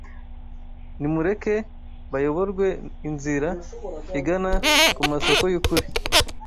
nimureke bayoborwe inzira igana ku masoko y’ukuri